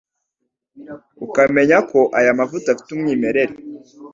ukamenya ko ayo mavuta afite umwimerere